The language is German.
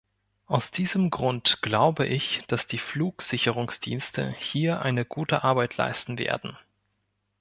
Aus diesem Grund glaube ich, dass die Flugsicherungsdienste hier eine gute Arbeit leisten werden.